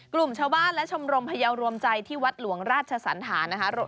กลุ่มชาวบ้านและชมรมพยาวรวมใจที่วัดหลวงราชสันธารนะคะ